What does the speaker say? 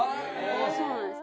そうなんです。